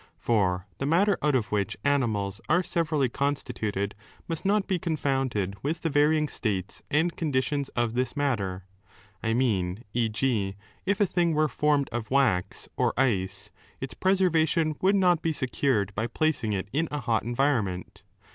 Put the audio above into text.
For the matter out of which animals are severally constituted must not be confounded with the varying states and conditions of 5 this matter. I mean, e,g. if a thing were formed of wax or ice, its preservation would not be secured by placing it in a hot environment.